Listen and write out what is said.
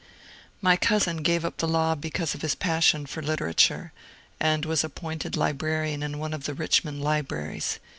My cousin gave up the law because of his passion for liter ature, and was appointed librarian in one of the Richmond libraries.